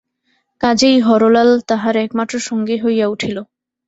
কাজেই হরলাল তাহার একমাত্র সঙ্গী হইয়া উঠিল।